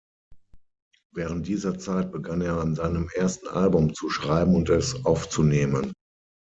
Während dieser Zeit begann er an seinem ersten Album zu schreiben und es aufzunehmen.